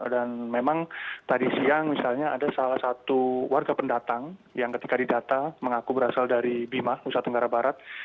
dan memang tadi siang misalnya ada salah satu warga pendatang yang ketika didata mengaku berasal dari bima nusa tenggara barat